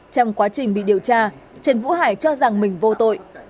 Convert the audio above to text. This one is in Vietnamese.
trong quá trình bị điều tra trần vũ hải cho rằng mình vô tội